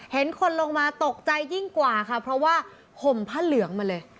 เห็นคนลงมาตกใจยิ่งกว่าค่ะเพราะว่าห่มผ้าเหลืองมาเลย